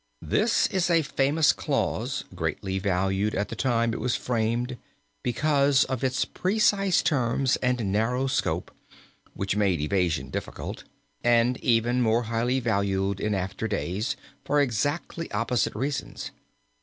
] "This is a famous clause, greatly valued at the time it was framed because of its precise terms and narrow scope (which made evasion difficult), and even more highly valued in after days for exactly opposite reasons.